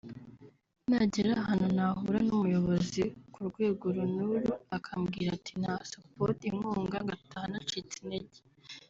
nagera ahantu nahura n’umuyobozi ku rwego uru n’uru akambwira ati nta support (inkunga) ngataha nacitse intege